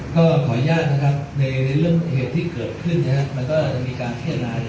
ให้เข้าชี้แจกับกรรมอธิการใหม่ประเด็นอะไรบ้างครับ